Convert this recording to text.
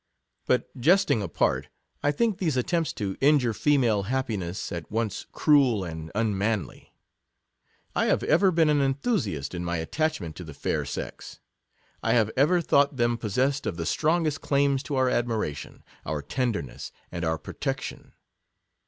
But jesting apart, I think these attempts to injure female happiness, at once cruel and unmanly. I have ever been an enthusiast in my attach ment to. the fair sex — I have ever thought them possessed of the strongest claims to our admiration, our tenderness, and our protec tion.